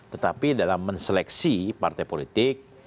tetapi dalam menseleksi partai politik